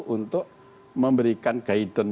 untuk memberikan guidance